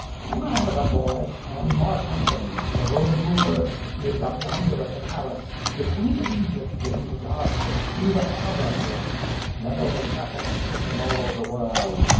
" When I was a boy, and Mark Antony, the Roman ruler, lived up yonder at the palace, the Queen of Egypt came to Tarsus through the harbour here. Never was such a ship in all the world.